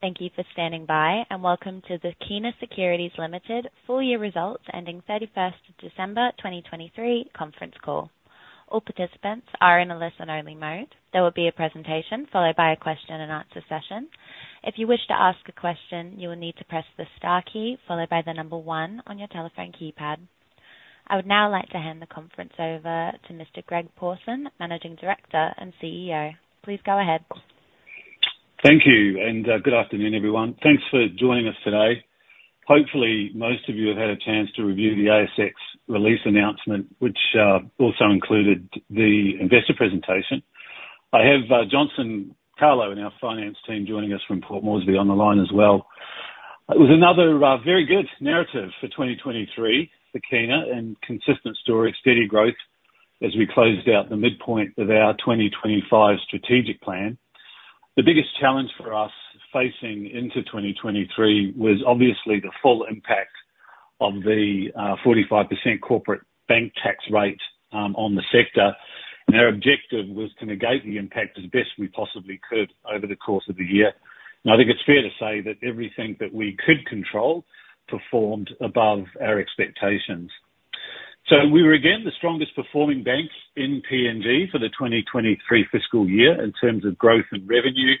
Thank you for standing by, and welcome to the Kina Securities Limited Full-year Results Ending 31st December 2023 conference call. All participants are in a listen-only mode. There will be a presentation followed by a question-and-answer session. If you wish to ask a question, you will need to press the star key followed by the number 1 on your telephone keypad. I would now like to hand the conference over to Mr. Greg Pawson, Managing Director and CEO. Please go ahead. Thank you, and good afternoon, everyone. Thanks for joining us today. Hopefully, most of you have had a chance to review the ASX release announcement, which also included the investor presentation. I have Johnson Kalo, our finance team, joining us from Port Moresby on the line as well. It was another very good narrative for 2023 for Kina and consistent story, steady growth as we closed out the midpoint of our 2025 strategic plan. The biggest challenge for us facing into 2023 was obviously the full impact of the 45% corporate bank tax rate on the sector. Our objective was to negate the impact as best we possibly could over the course of the year. I think it's fair to say that everything that we could control performed above our expectations. So we were, again, the strongest performing bank in PNG for the 2023 fiscal year in terms of growth and revenue,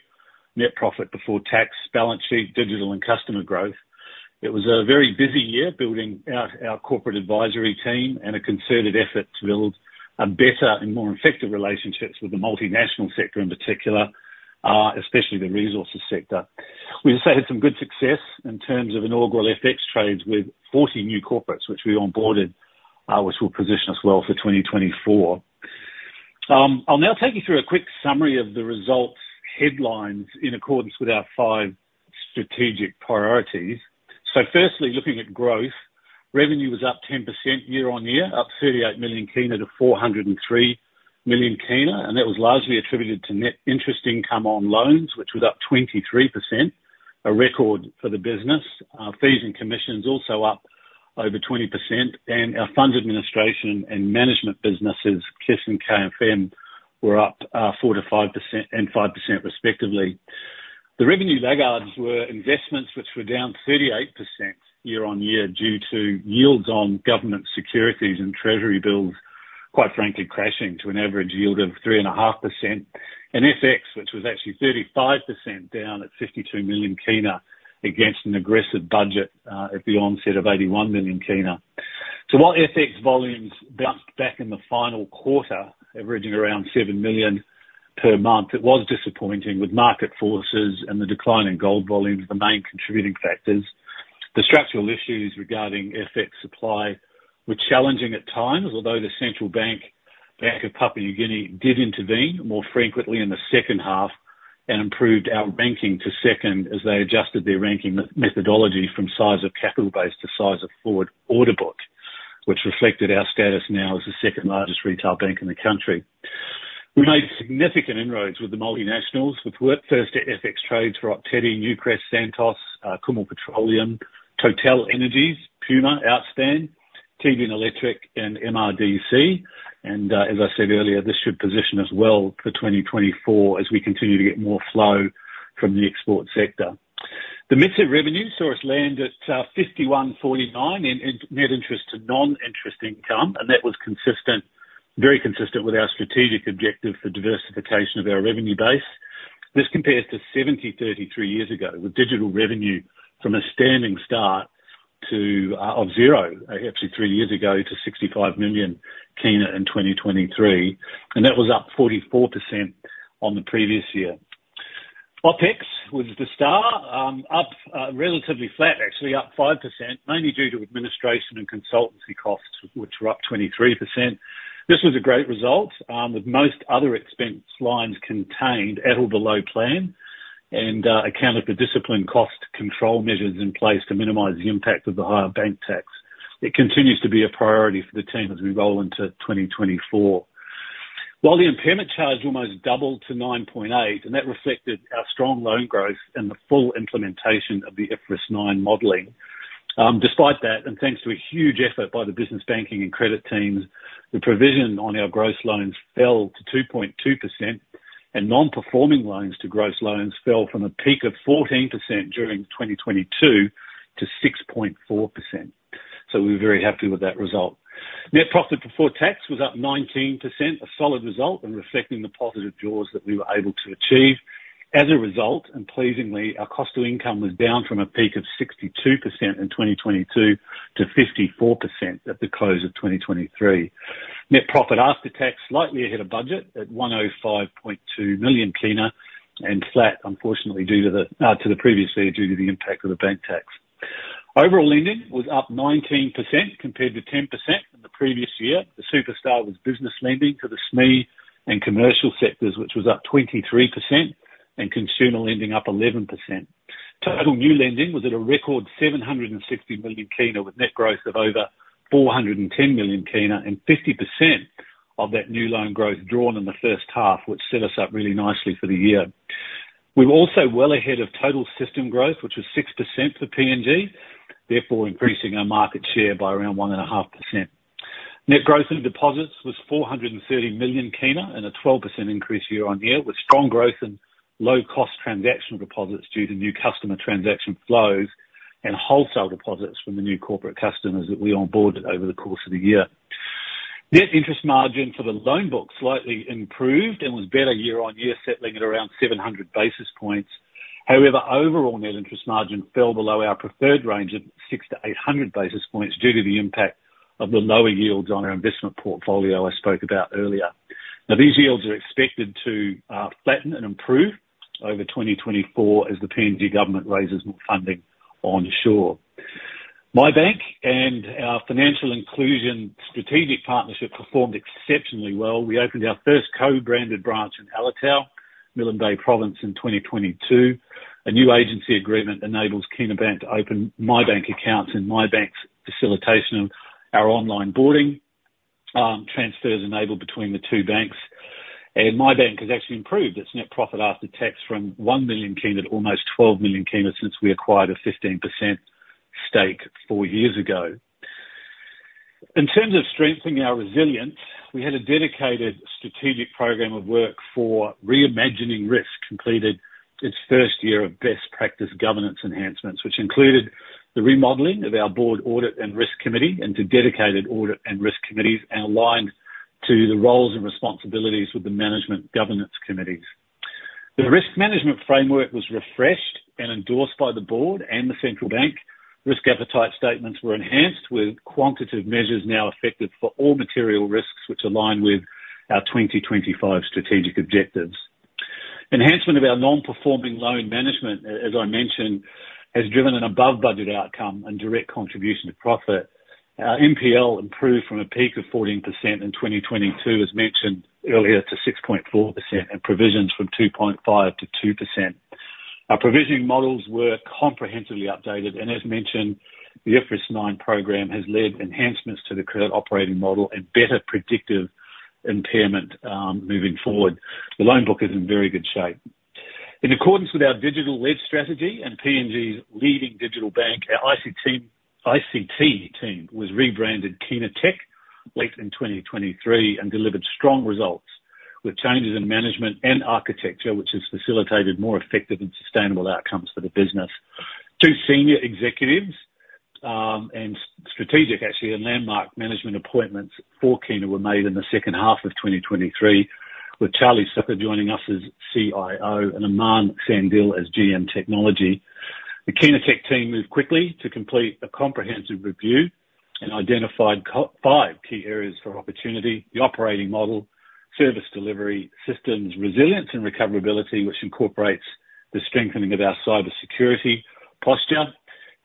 net profit before tax, balance sheet, digital, and customer growth. It was a very busy year building out our corporate advisory team and a concerted effort to build better and more effective relationships with the multinational sector in particular, especially the resources sector. We also had some good success in terms of inaugural FX trades with 40 new corporates, which we onboarded, which will position us well for 2024. I'll now take you through a quick summary of the results headlines in accordance with our five strategic priorities. So firstly, looking at growth, revenue was up 10% year-on-year, up PGK 38 million to PGK 403 million. And that was largely attributed to net interest income on loans, which was up 23%, a record for the business. Fees and commissions also up over 20%. Our fund administration and management businesses, KISS and KFM, were up 4% and 5% respectively. The revenue laggards were investments, which were down 38% year-on-year due to yields on government securities and treasury bills, quite frankly, crashing to an average yield of 3.5%. FX, which was actually 35% down at PGK 52 million against an aggressive budget at the onset of PGK 81 million. So while FX volumes bounced back in the final quarter, averaging around PGK 7 million per month, it was disappointing with market forces and the decline in gold volumes, the main contributing factors. The structural issues regarding FX supply were challenging at times, although the central bank, Bank of Papua New Guinea, did intervene more frequently in the second half and improved our ranking to second as they adjusted their ranking methodology from size of capital base to size of forward order book, which reflected our status now as the second-largest retail bank in the country. We made significant inroads with the multinationals, with first-tier FX trades for Ok Tedi, Newcrest, Santos, Kumul Petroleum, TotalEnergies, Puma, Outstan, TPG Electric, and MRDC. As I said earlier, this should position us well for 2024 as we continue to get more flow from the export sector. The mid-tier revenues saw us land at 51.49 in net interest to non-interest income. That was very consistent with our strategic objective for diversification of our revenue base. This compares to 70.33 years ago with digital revenue from a standing start of zero, actually three years ago, to PGK 65 million in 2023. That was up 44% on the previous year. OpEx was the star, relatively flat, actually up 5%, mainly due to administration and consultancy costs, which were up 23%. This was a great result with most other expense lines contained at or below plan and accounted for disciplined cost control measures in place to minimize the impact of the higher bank tax. It continues to be a priority for the team as we roll into 2024. While the impairment charge almost doubled to PGK 9.8 million, and that reflected our strong loan growth and the full implementation of the IFRS 9 modeling, despite that, and thanks to a huge effort by the business banking and credit teams, the provision on our gross loans fell to 2.2%. Non-performing loans to gross loans fell from a peak of 14% during 2022 to 6.4%. So we were very happy with that result. Net profit before tax was up 19%, a solid result and reflecting the positive draws that we were able to achieve. As a result, and pleasingly, our cost to income was down from a peak of 62% in 2022 to 54% at the close of 2023. Net profit after tax slightly ahead of budget at PGK 105.2 million and flat, unfortunately, due to the previous year due to the impact of the bank tax. Overall lending was up 19% compared to 10% in the previous year. The superstar was business lending to the SME and commercial sectors, which was up 23%, and consumer lending up 11%. Total new lending was at a record PGK 760 million with net growth of over PGK 410 million and 50% of that new loan growth drawn in the first half, which set us up really nicely for the year. We were also well ahead of total system growth, which was 6% for PNG, therefore increasing our market share by around 1.5%. Net growth in deposits was PGK 430 million and a 12% increase year-on-year with strong growth in low-cost transactional deposits due to new customer transaction flows and wholesale deposits from the new corporate customers that we onboarded over the course of the year. Net interest margin for the loan book slightly improved and was better year-on-year, settling at around 700 basis points. However, overall net interest margin fell below our preferred range of 600-800 basis points due to the impact of the lower yields on our investment portfolio, I spoke about earlier. Now, these yields are expected to flatten and improve over 2024 as the PNG government raises more funding onshore. MiBank and our financial inclusion strategic partnership performed exceptionally well. We opened our first co-branded branch in Alotau, Milne Bay Province, in 2022. A new agency agreement enables Kina Bank to open MiBank accounts in MiBank's facilitation of our online onboarding. Transfers enable between the two banks. And MiBank has actually improved its net profit after tax from PGK 1 million to almost PGK 12 million since we acquired a 15% stake four years ago. In terms of strengthening our resilience, we had a dedicated strategic program of work for reimagining risk completed its first year of best-practice governance enhancements, which included the remodeling of our board audit and risk committee into dedicated audit and risk committees and aligned to the roles and responsibilities with the management governance committees. The risk management framework was refreshed and endorsed by the board and the central bank. Risk appetite statements were enhanced with quantitative measures now effective for all material risks, which align with our 2025 strategic objectives. Enhancement of our non-performing loan management, as I mentioned, has driven an above-budget outcome and direct contribution to profit. Our NPL improved from a peak of 14% in 2022, as mentioned earlier, to 6.4% and provisions from 2.5%- 2%. Our provisioning models were comprehensively updated. As mentioned, the IFRS 9 program has led enhancements to the current operating model and better predictive impairment moving forward. The loan book is in very good shape. In accordance with our digital-led strategy and PNG's leading digital bank, our ICT team was rebranded Kina Tech late in 2023 and delivered strong results with changes in management and architecture, which has facilitated more effective and sustainable outcomes for the business. Two senior executives and strategic, actually, and landmark management appointments for Kina were made in the second half of 2023 with Chalit Sukeer joining us as CIO and Aman Shandil as GM Technology. The Kina Tech team moved quickly to complete a comprehensive review and identified five key areas for opportunity: the operating model, service delivery, systems resilience and recoverability, which incorporates the strengthening of our cybersecurity posture,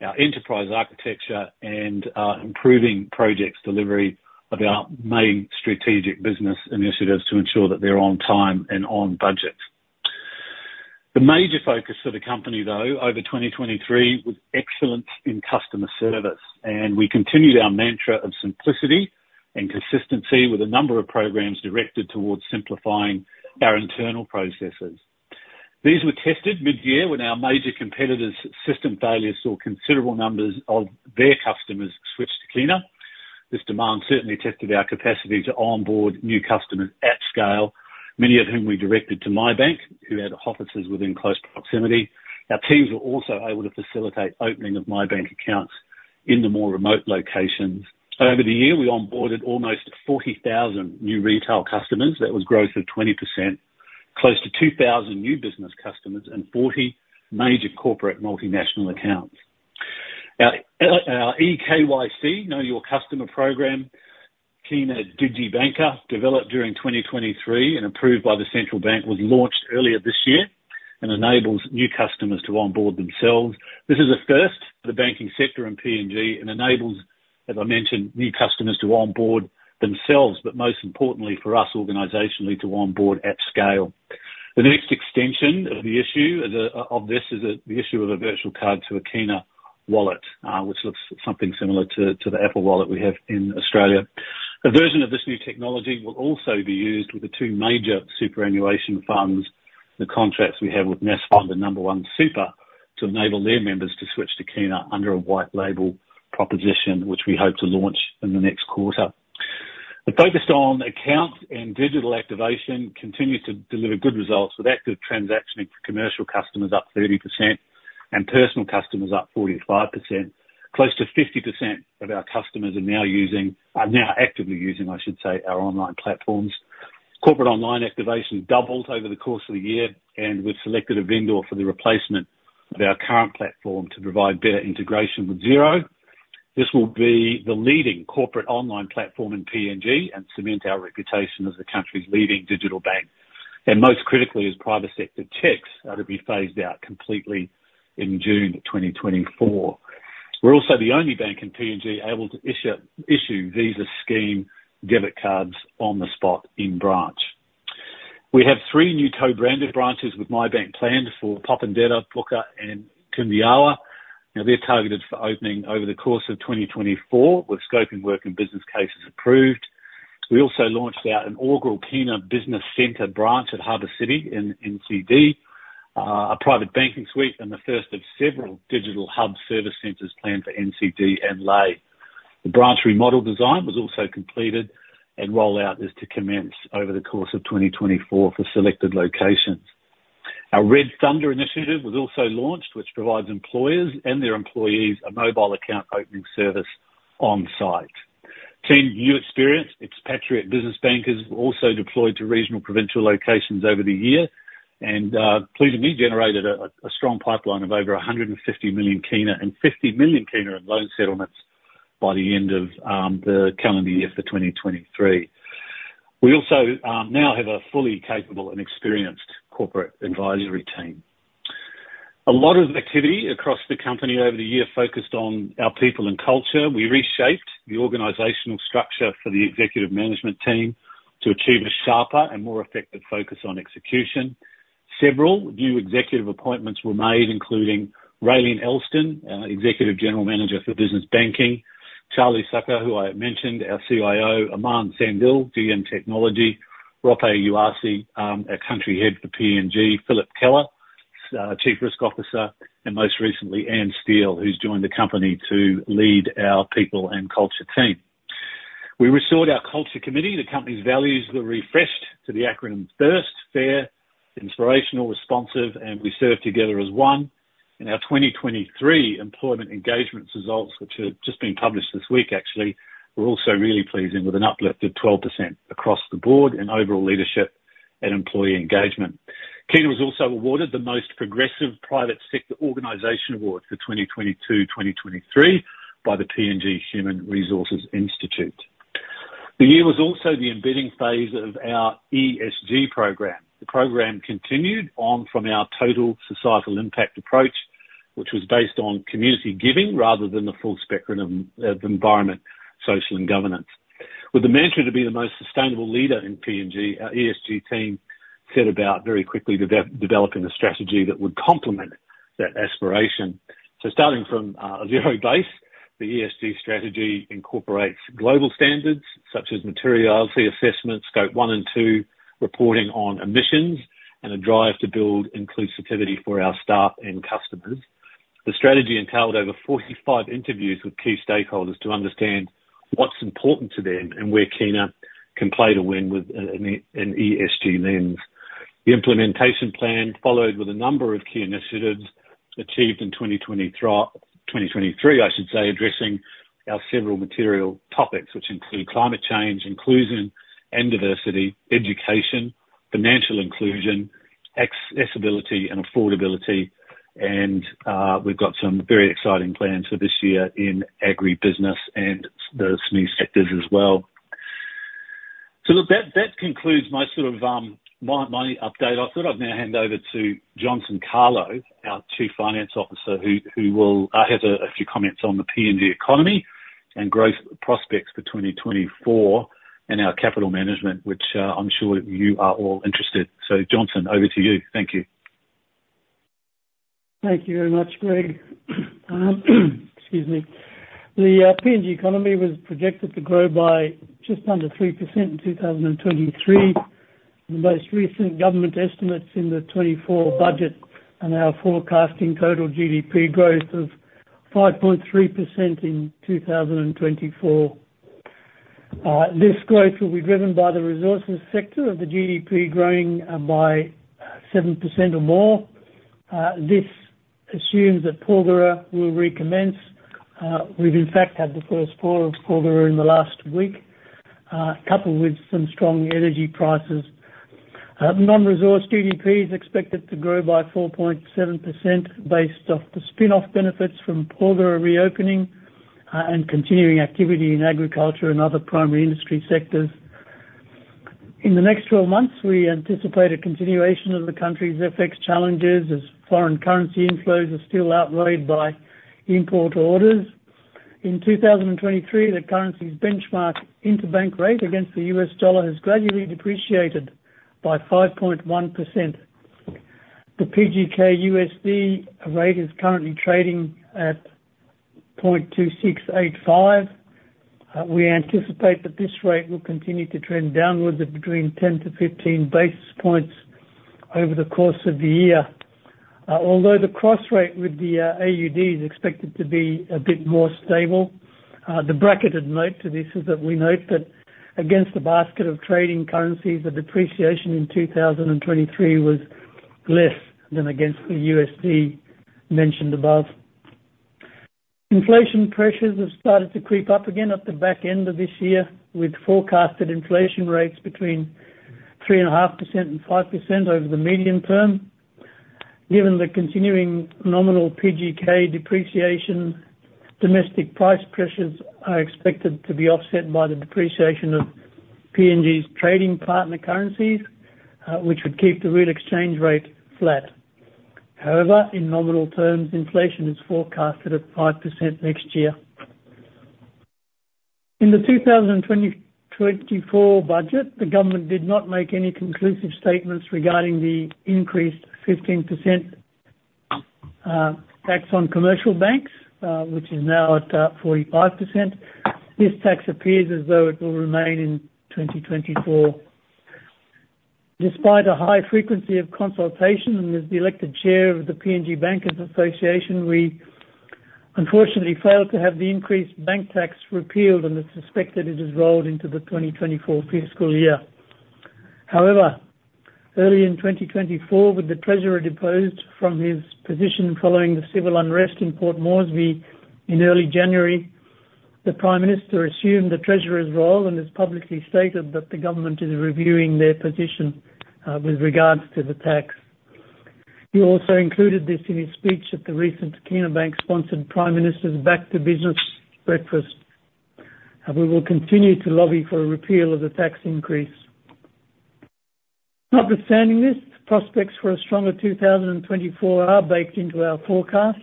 our enterprise architecture, and improving project delivery of our main strategic business initiatives to ensure that they're on time and on budget. The major focus for the company, though, over 2023 was excellence in customer service. We continued our mantra of simplicity and consistency with a number of programs directed towards simplifying our internal processes. These were tested mid-year when our major competitors' system failures saw considerable numbers of their customers switch to Kina. This demand certainly tested our capacity to onboard new customers at scale, many of whom we directed to MiBank, who had offices within close proximity. Our teams were also able to facilitate opening of MiBank accounts in the more remote locations. Over the year, we onboarded almost 40,000 new retail customers. That was growth of 20%, close to 2,000 new business customers, and 40 major corporate multinational accounts. Our EKYC, Know Your Customer Program, Kina DigiBankr, developed during 2023 and approved by the central bank, was launched earlier this year and enables new customers to onboard themselves. This is a first for the banking sector and PNG and enables, as I mentioned, new customers to onboard themselves, but most importantly for us organizationally to onboard at scale. The next extension of this is the issue of a virtual card to a Kina Wallet, which looks something similar to the Apple Wallet we have in Australia. A version of this new technology will also be used with the two major superannuation funds, the contracts we have with Nasfund and Nambawan Super, to enable their members to switch to Kina under a white-label proposition, which we hope to launch in the next quarter. The focus on accounts and digital activation continues to deliver good results with active transactioning for commercial customers up 30% and personal customers up 45%. Close to 50% of our customers are now actively using, I should say, our online platforms. Corporate online activation doubled over the course of the year. We've selected a vendor for the replacement of our current platform to provide better integration with Xero. This will be the leading corporate online platform in PNG and cement our reputation as the country's leading digital bank. Most critically, as private sector checks are to be phased out completely in June 2024. We're also the only bank in PNG able to issue Visa scheme debit cards on the spot in branch. We have three new co-branded branches with MiBank planned for Popondetta, Pukka, and Kundiawa. Now, they're targeted for opening over the course of 2024 with scoping work and business cases approved. We also launched out an inaugural Kina business center branch at Harbour City in NCD, a private banking suite, and the first of several digital hub service centers planned for NCD and Lae. The branch remodel design was also completed. Rollout is to commence over the course of 2024 for selected locations. Our Red Thunder initiative was also launched, which provides employers and their employees a mobile account opening service on-site. Since new experience, expatriate business bankers were also deployed to regional provincial locations over the year. Pleasingly, generated a strong pipeline of over PGK 150 million and PGK 50 million in loan settlements by the end of the calendar year for 2023. We also now have a fully capable and experienced corporate advisory team. A lot of activity across the company over the year focused on our people and culture. We reshaped the organizational structure for the executive management team to achieve a sharper and more effective focus on execution. Several new executive appointments were made, including Rayleigh Elston, Executive General Manager for Business Banking, Chalit Sukeer, who I mentioned, our CIO, Aman Shandil, GM Technology, Roppe Uyassi, our Country Head for PNG, Philip Keller, Chief Risk Officer, and most recently, Anne Steele, who's joined the company to lead our people and culture team. We restored our culture committee. The company's values were refreshed to the acronym FIRST: Fair, Inspirational, Responsive, and We Serve Together as One. Our 2023 employment engagements results, which have just been published this week, actually, were also really pleasing with an uplift of 12% across the board in overall leadership and employee engagement. Kina was also awarded the Most Progressive Private Sector Organization Award for 2022-2023 by the PNG Human Resources Institute. The year was also the embedding phase of our ESG program. The program continued on from our total societal impact approach, which was based on community giving rather than the full spectrum of environment, social, and governance. With the mantra to be the most sustainable leader in PNG, our ESG team set about very quickly developing a strategy that would complement that aspiration. So starting from a zero base, the ESG strategy incorporates global standards such as materiality assessment, scope 1 and 2, reporting on emissions, and a drive to build inclusivity for our staff and customers. The strategy entailed over 45 interviews with key stakeholders to understand what's important to them and where Kina can play to win with an ESG lens. The implementation plan followed with a number of key initiatives achieved in 2023, I should say, addressing our several material topics, which include climate change, inclusion and diversity, education, financial inclusion, accessibility, and affordability. We've got some very exciting plans for this year in agribusiness and the SME sectors as well. So look, that concludes my sort of update. I thought I'd now hand over to Johnson Kalo, our Chief Financial Officer, who will have a few comments on the PNG economy and growth prospects for 2024 and our capital management, which I'm sure you are all interested in. So Johnson, over to you. Thank you. Thank you very much, Greg. Excuse me. The PNG economy was projected to grow by just under 3% in 2023. The most recent government estimates in the 2024 budget and our forecasting total GDP growth of 5.3% in 2024. This growth will be driven by the resources sector of the GDP growing by 7% or more. This assumes that Porgera will recommence. We've, in fact, had the first pour of Porgera in the last week, coupled with some strong energy prices. Non-resource GDP is expected to grow by 4.7% based off the spinoff benefits from Porgera reopening and continuing activity in agriculture and other primary industry sectors. In the next 12 months, we anticipate a continuation of the country's FX challenges as foreign currency inflows are still outweighed by import orders. In 2023, the currency's benchmark interbank rate against the US dollar has gradually depreciated by 5.1%. The PGK/USD rate is currently trading at 0.2685. We anticipate that this rate will continue to trend downwards at between 10-15 basis points over the course of the year, although the cross-rate with the AUD is expected to be a bit more stable. The bracketed note to this is that we note that against the basket of trading currencies, the depreciation in 2023 was less than against the USD mentioned above. Inflation pressures have started to creep up again at the back end of this year with forecasted inflation rates between 3.5%-5% over the median term. Given the continuing nominal PGK depreciation, domestic price pressures are expected to be offset by the depreciation of PNG's trading partner currencies, which would keep the real exchange rate flat. However, in nominal terms, inflation is forecasted at 5% next year. In the 2024 budget, the government did not make any conclusive statements regarding the increased 15% tax on commercial banks, which is now at 45%. This tax appears as though it will remain in 2024. Despite a high frequency of consultation and as the elected chair of the PNG Bankers Association, we unfortunately failed to have the increased bank tax repealed, and it's suspected it has rolled into the 2024 fiscal year. However, early in 2024, with the treasurer deposed from his position following the civil unrest in Port Moresby in early January, the prime minister assumed the treasurer's role and has publicly stated that the government is reviewing their position with regards to the tax. He also included this in his speech at the recent Kina Bank-sponsored Prime Minister's Back to Business Breakfast. We will continue to lobby for a repeal of the tax increase. Notwithstanding this, prospects for a stronger 2024 are baked into our forecast.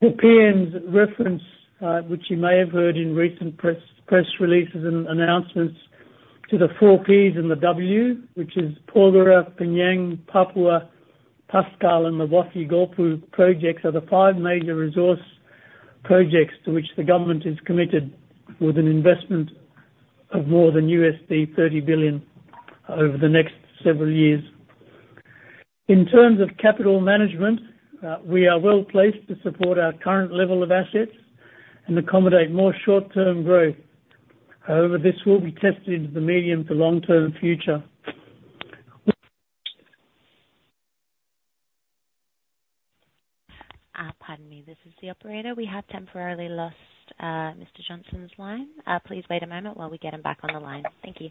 The PNG's reference, which you may have heard in recent press releases and announcements, to the four P's and the W, which is Porgera, P'nyang, Papua LNG, Pasca, and the Wafi-Golpu projects, are the five major resource projects to which the government is committed with an investment of more than $30 billion over the next several years. In terms of capital management, we are well placed to support our current level of assets and accommodate more short-term growth. However, this will be tested into the medium to long-term future. Pardon me. This is the operator. We have temporarily lost Mr. Johnson's line. Please wait a moment while we get him back on the line. Thank you.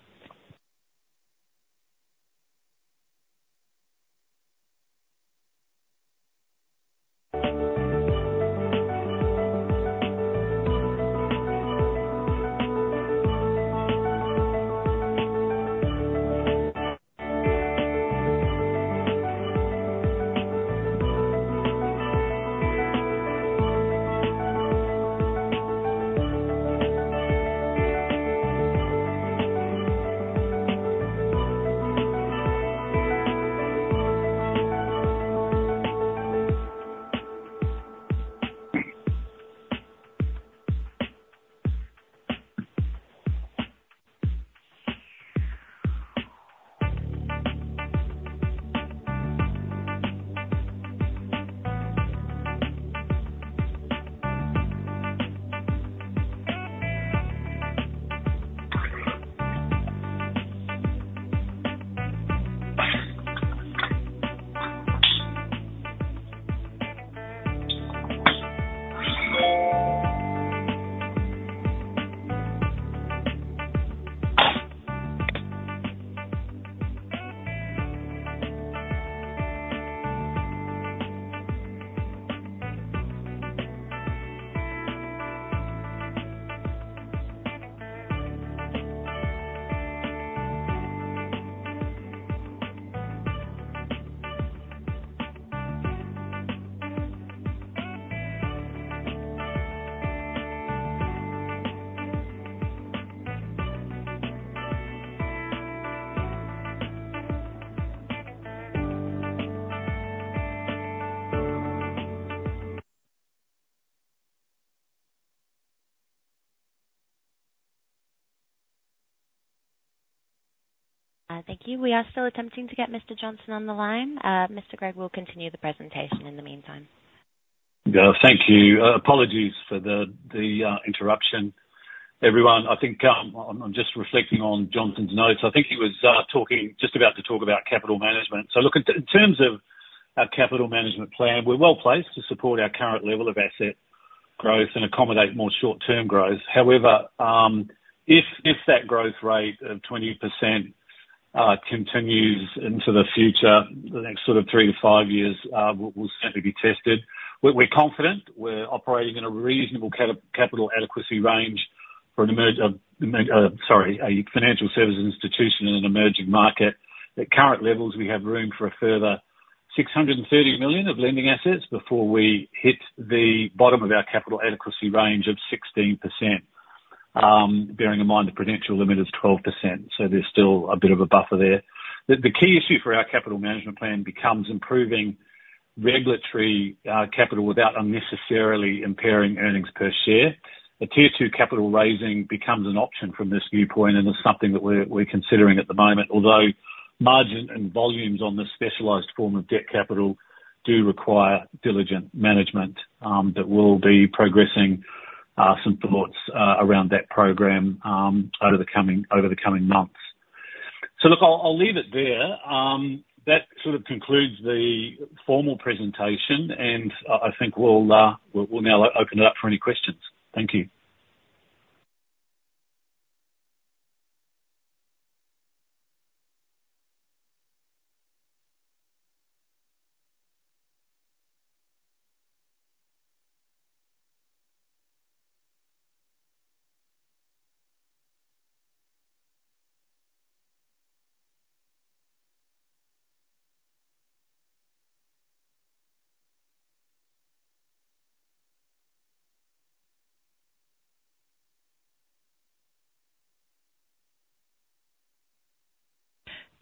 Thank you. We are still attempting to get Mr. Johnson on the line. Mr. Greg will continue the presentation in the meantime. Thank you. Apologies for the interruption, everyone. I think I'm just reflecting on Johnson's notes. I think he was just about to talk about capital management. So look, in terms of our capital management plan, we're well placed to support our current level of asset growth and accommodate more short-term growth. However, if that growth rate of 20% continues into the future, the next sort of 3-5 years will certainly be tested. We're confident we're operating in a reasonable capital adequacy range for sorry, a financial services institution in an emerging market. At current levels, we have room for a further PGK 630 million of lending assets before we hit the bottom of our capital adequacy range of 16%, bearing in mind the prudential limit is 12%. So there's still a bit of a buffer there. The key issue for our capital management plan becomes improving regulatory capital without unnecessarily impairing earnings per share. A Tier 2 Capital raising becomes an option from this viewpoint, and it's something that we're considering at the moment, although margin and volumes on this specialized form of debt capital do require diligent management. But we'll be progressing some thoughts around that program over the coming months. So look, I'll leave it there. That sort of concludes the formal presentation, and I think we'll now open it up for any questions. Thank you.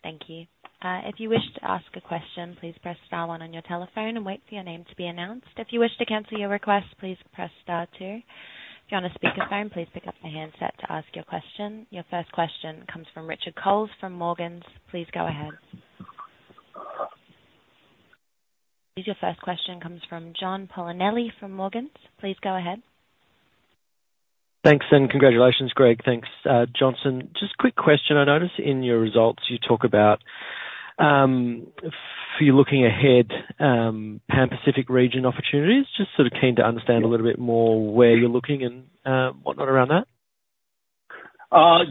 Thank you. If you wish to ask a question, please press star one on your telephone and wait for your name to be announced. If you wish to cancel your request, please press star two. If you're on a speakerphone, please pick up the handset to ask your question. Your first question comes from Richard Coles from Morgans. Please go ahead. Your first question comes from John Polinelli from Morgans. Please go ahead. Thanks, and congratulations, Greg. Thanks, Johnson. Just quick question. I noticed in your results, you talk about, if you're looking ahead, Pan-Pacific region opportunities. Just sort of keen to understand a little bit more where you're looking and whatnot around that.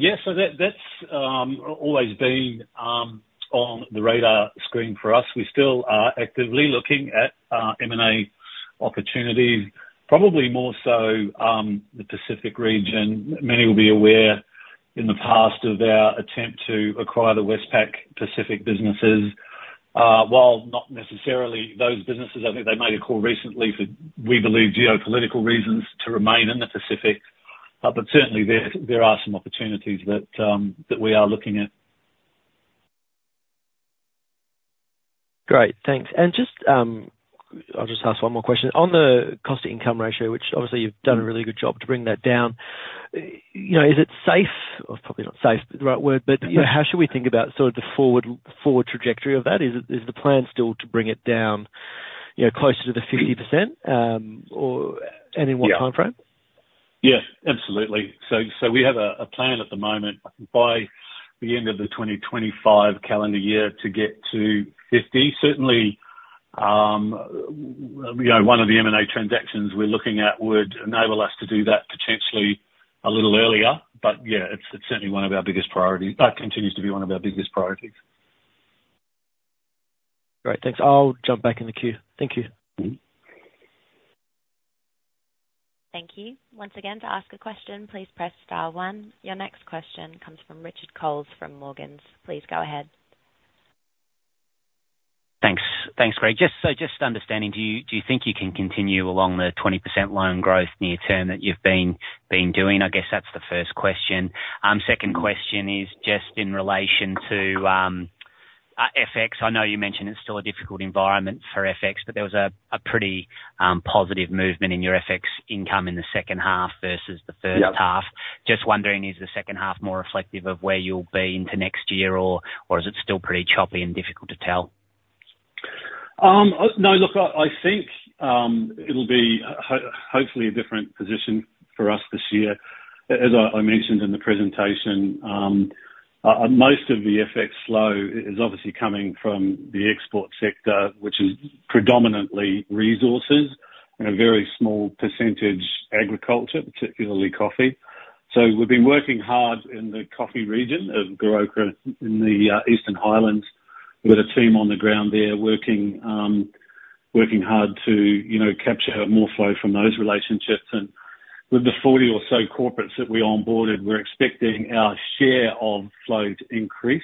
Yes. So that's always been on the radar screen for us. We still are actively looking at M&A opportunities, probably more so the Pacific region. Many will be aware in the past of our attempt to acquire the Westpac Pacific businesses. While not necessarily those businesses, I think they made a call recently for, we believe, geopolitical reasons to remain in the Pacific. But certainly, there are some opportunities that we are looking at. Great. Thanks. I'll just ask one more question. On the cost-to-income ratio, which obviously you've done a really good job to bring that down, is it safe? Probably not safe is the right word, but how should we think about sort of the forward trajectory of that? Is the plan still to bring it down closer to the 50%, and in what timeframe? Yes. Absolutely. So we have a plan at the moment, I think, by the end of the 2025 calendar year to get to 50. Certainly, one of the M&A transactions we're looking at would enable us to do that potentially a little earlier. But yeah, it's certainly one of our biggest priorities. It continues to be one of our biggest priorities. Great. Thanks. I'll jump back in the queue. Thank you. Thank you. Once again, to ask a question, please press star one. Your next question comes from Richard Coles from Morgans. Please go ahead. Thanks, Greg. So just understanding, do you think you can continue along the 20% loan growth near-term that you've been doing? I guess that's the first question. Second question is just in relation to FX. I know you mentioned it's still a difficult environment for FX, but there was a pretty positive movement in your FX income in the second half versus the first half. Just wondering, is the second half more reflective of where you'll be into next year, or is it still pretty choppy and difficult to tell? No. Look, I think it'll be hopefully a different position for us this year. As I mentioned in the presentation, most of the FX flow is obviously coming from the export sector, which is predominantly resources and a very small percentage agriculture, particularly coffee. So we've been working hard in the coffee region of Goroka in the Eastern Highlands. We've got a team on the ground there working hard to capture more flow from those relationships. And with the 40 or so corporates that we onboarded, we're expecting our share of flow to increase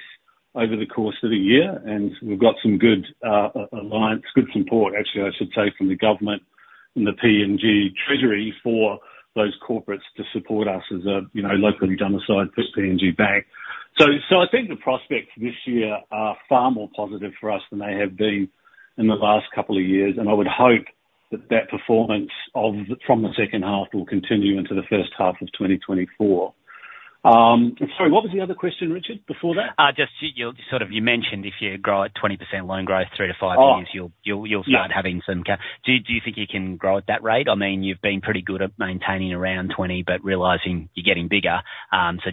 over the course of a year. And we've got some good alliance, good support, actually, I should say, from the government and the PNG Treasury for those corporates to support us as a locally domiciled PNG bank. So I think the prospects this year are far more positive for us than they have been in the last couple of years. And I would hope that that performance from the second half will continue into the first half of 2024. Sorry, what was the other question, Richard, before that? Just sort of, you mentioned if you grow at 20% loan growth 3-5 years, you'll start having some. Do you think you can grow at that rate? I mean, you've been pretty good at maintaining around 20%, but realizing you're getting bigger. So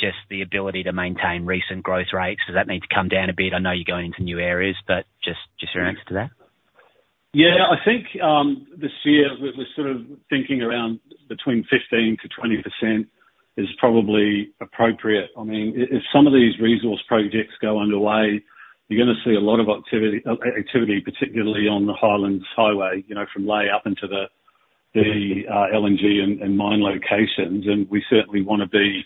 just the ability to maintain recent growth rates, does that need to come down a bit? I know you're going into new areas, but just your answer to that. Yeah. I think this year, we're sort of thinking around between 15%-20% is probably appropriate. I mean, if some of these resource projects go underway, you're going to see a lot of activity, particularly on the Highlands Highway from Lae up into the LNG and mine locations. And we certainly want to be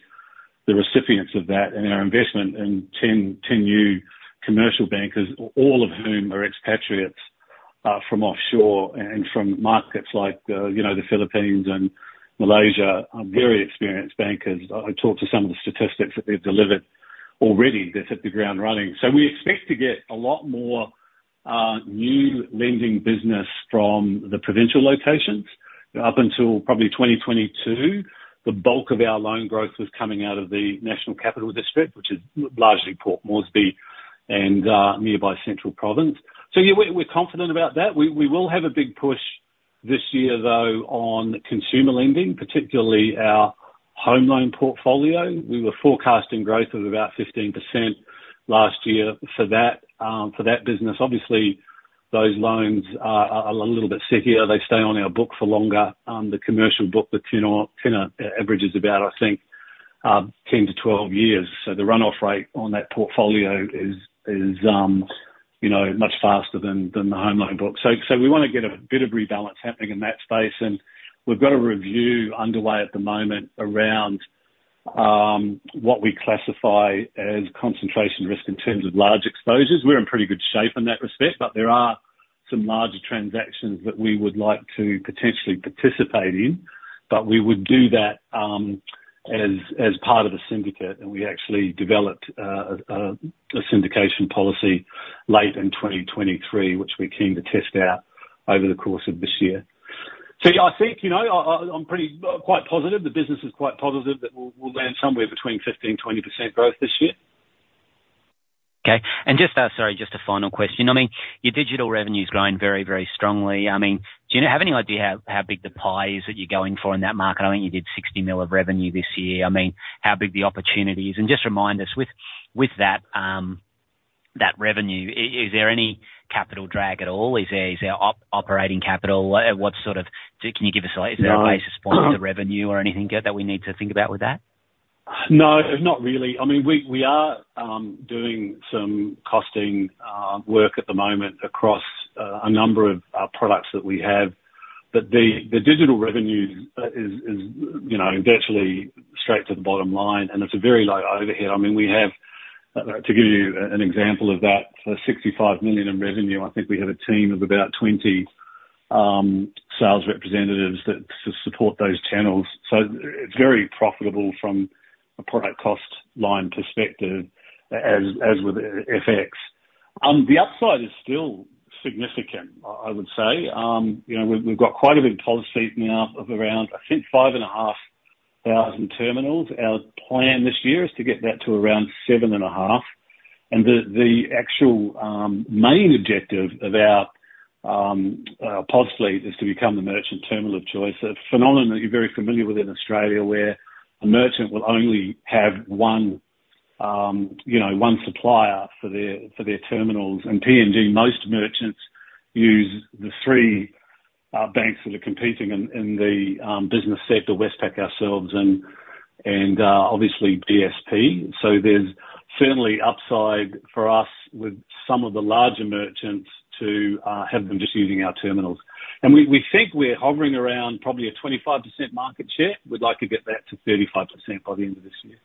the recipients of that in our investment in 10 new commercial bankers, all of whom are expatriates from offshore and from markets like the Philippines and Malaysia, very experienced bankers. I talked to some of the statistics that they've delivered already that's at the ground running. So we expect to get a lot more new lending business from the provincial locations. Up until probably 2022, the bulk of our loan growth was coming out of the National Capital District, which is largely Port Moresby and nearby Central Province. So yeah, we're confident about that. We will have a big push this year, though, on consumer lending, particularly our home loan portfolio. We were forecasting growth of about 15% last year for that business. Obviously, those loans are a little bit stickier. They stay on our book for longer. The commercial book, the tenor averages about, I think, 10-12 years. So the runoff rate on that portfolio is much faster than the home loan book. So we want to get a bit of rebalance happening in that space. And we've got a review underway at the moment around what we classify as concentration risk in terms of large exposures. We're in pretty good shape in that respect, but there are some larger transactions that we would like to potentially participate in. But we would do that as part of a syndicate. We actually developed a syndication policy late in 2023, which we're keen to test out over the course of this year. Yeah, I think I'm quite positive. The business is quite positive that we'll land somewhere between 15%-20% growth this year. Okay. And sorry, just a final question. I mean, your digital revenue's growing very, very strongly. I mean, do you have any idea how big the pie is that you're going for in that market? I mean, you did PGK 60 million of revenue this year. I mean, how big the opportunity is? And just remind us, with that revenue, is there any capital drag at all? Is there operating capital? Can you give us, is there a basis point to revenue or anything that we need to think about with that? No, not really. I mean, we are doing some costing work at the moment across a number of products that we have. But the digital revenue is virtually straight to the bottom line, and it's a very low overhead. I mean, we have to give you an example of that. For PGK 65 million in revenue, I think we have a team of about 20 sales representatives that support those channels. So it's very profitable from a product cost line perspective as with FX. The upside is still significant, I would say. We've got quite a big policy now of around, I think, 5,500 terminals. Our plan this year is to get that to around 7,500. And the actual main objective of our policy is to become the merchant terminal of choice. A phenomenon that you're very familiar with in Australia where a merchant will only have one supplier for their terminals. PNG, most merchants use the three banks that are competing in the business sector, Westpac, ourselves, and obviously BSP. There's certainly upside for us with some of the larger merchants to have them just using our terminals. We think we're hovering around probably a 25% market share. We'd like to get that to 35% by the end of this year.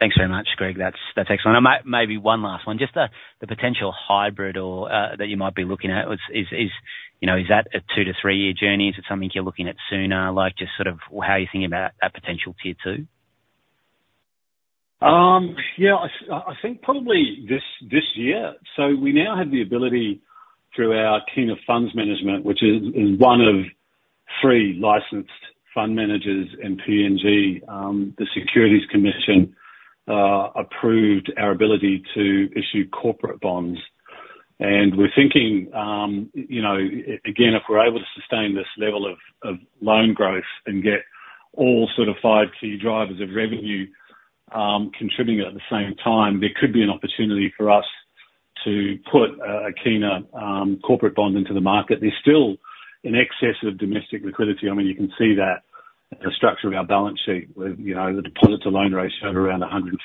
Thanks very much, Greg. That's excellent. And maybe one last one. Just the potential hybrid that you might be looking at, is that a 2-3-year journey? Is it something you're looking at sooner, just sort of how you're thinking about that potential Tier 2? Yeah. I think probably this year. So we now have the ability through our Kina funds management, which is one of three licensed fund managers in PNG. The Securities Commission approved our ability to issue corporate bonds. And we're thinking, again, if we're able to sustain this level of loan growth and get all sort of five key drivers of revenue contributing at the same time, there could be an opportunity for us to put a Kina corporate bond into the market. There's still an excess of domestic liquidity. I mean, you can see that in the structure of our balance sheet with the deposit-to-loan ratio at around 150%.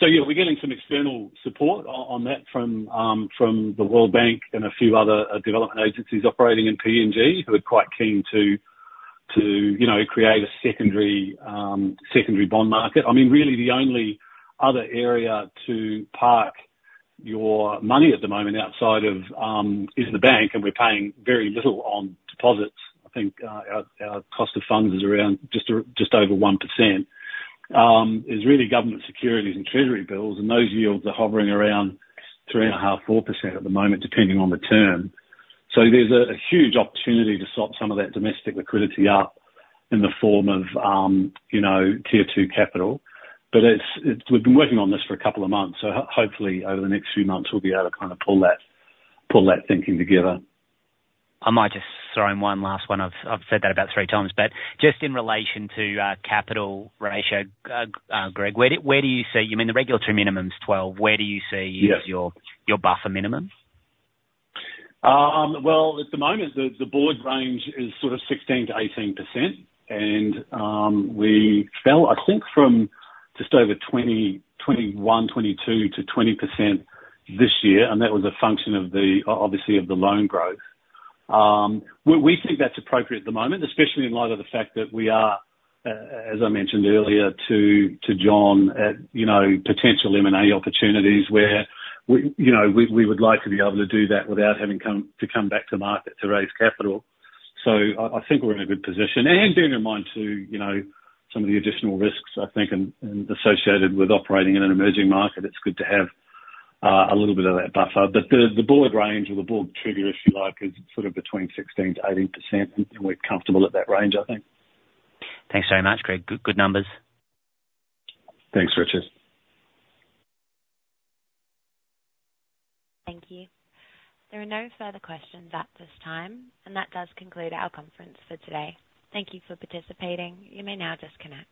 So yeah, we're getting some external support on that from the World Bank and a few other development agencies operating in PNG who are quite keen to create a secondary bond market. I mean, really, the only other area to park your money at the moment outside of is the bank, and we're paying very little on deposits. I think our cost of funds is just over 1%. It's really government securities and treasury bills. Those yields are hovering around 3.5%-4% at the moment, depending on the term. So there's a huge opportunity to swap some of that domestic liquidity up in the form of Tier 2 Capital. We've been working on this for a couple of months. Hopefully, over the next few months, we'll be able to kind of pull that thinking together. I might just throw in one last one. I've said that about three times. But just in relation to capital ratio, Greg, where do you see—I mean, the regulatory minimum's 12. Where do you see your buffer minimum? Well, at the moment, the board range is sort of 16%-18%. We fell, I think, from just over 21%, 22%-20% this year. That was a function of, obviously, the loan growth. We think that's appropriate at the moment, especially in light of the fact that we are, as I mentioned earlier to John, at potential M&A opportunities where we would like to be able to do that without having to come back to market to raise capital. So I think we're in a good position. Bear in mind, too, some of the additional risks, I think, associated with operating in an emerging market. It's good to have a little bit of that buffer. But the board range, or the board trigger, if you like, is sort of between 16%-18%. We're comfortable at that range, I think. Thanks very much, Greg. Good numbers. Thanks, Richard. Thank you. There are no further questions at this time. That does conclude our conference for today. Thank you for participating. You may now just connect.